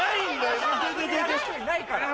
ないから。